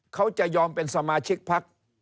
เขาจะยอมเป็นสมาชิกพัก